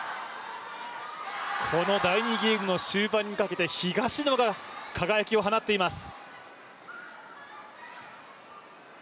この第２ゲームの終盤にかけて東野が輝きを放っています。